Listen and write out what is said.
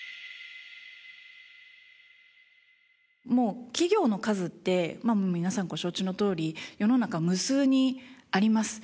もう企業の数って皆さんご承知のとおり世の中無数にあります。